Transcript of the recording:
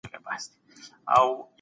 پوه سړی د اړمنو خلګو سره مرسته کوي.